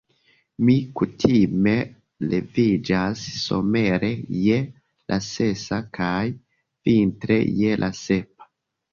Mi kutime leviĝas somere je la sesa kaj vintre je la sepa.